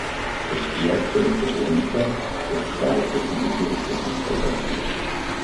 Das erste ist der Grundsatz, das zweite sind die Durchführungsregelungen.